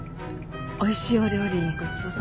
おいしいお料理ごちそうさまでした。